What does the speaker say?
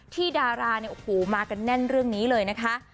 ดาราเนี่ยโอ้โหมากันแน่นเรื่องนี้เลยนะคะ